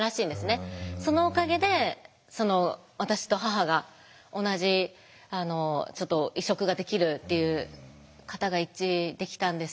そのおかげで私と母が同じちょっと移植ができるっていう型が一致できたんですけど。